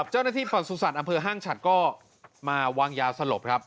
เจ้าหน้าที่ปราสุสัตว์อำเภอห้างฉัดก็มาวางยาสลบครับ